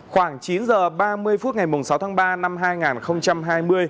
khoảng chín h ba mươi phút ngày sáu tháng ba năm hai nghìn hai mươi